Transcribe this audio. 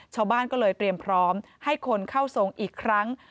ชาวบ้านก็เลยเตรียมพร้อมให้คนเข้าทรงอีกครั้ง